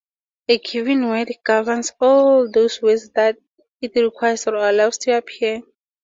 A given word governs all those words that it requires or allows to appear.